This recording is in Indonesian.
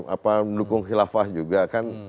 apa mendukung khilafah juga kan